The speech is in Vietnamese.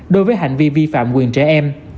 đối với hành vi vi phạm quyền trẻ em